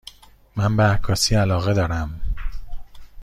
من به عکاسی علاقه دارم.